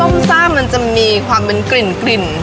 ส้มซ่ามันจะมีความเป็นกลิ่น